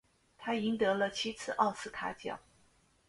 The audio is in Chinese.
他赢得了七次奥斯卡奖。